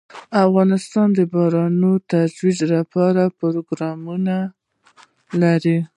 افغانستان د باران د ترویج لپاره پروګرامونه لري.